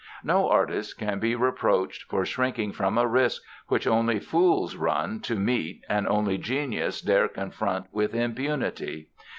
No artist can be reproached for shrinking from a risk which only fools run to meet and only genius dare confront with impunity.